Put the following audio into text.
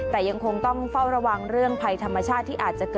แต่ยังคงต้องเฝ้าระวังเรื่องภัยธรรมชาติที่อาจจะเกิด